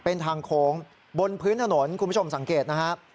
เป็นทางโค้งบนพื้นถนนคุณผู้ชมสังเกตนะฮะ